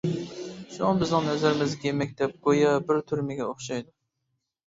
شۇڭا بىزنىڭ نەزىرىمىزدىكى مەكتەپ، گويا بىر تۈرمىگە ئوخشايدۇ.